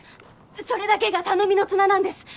それだけが頼みの綱なんです！